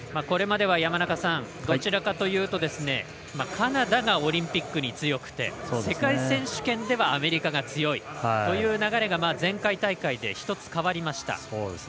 これまでは山中さんどちらかというとカナダがオリンピックに強くて世界選手権ではアメリカが強いという流れが前回大会で１つ変わりました。